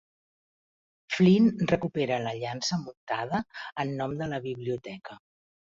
Flynn recupera la llança muntada en nom de la biblioteca.